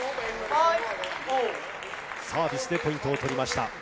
サービスでポイントを取りました。